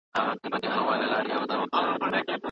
آیا ته غواړې چې د منډېلا په څېر د تاریخ برخه شې؟